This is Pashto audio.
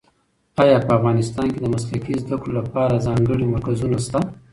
ایا په افغانستان کې د مسلکي زده کړو لپاره ځانګړي مرکزونه شته؟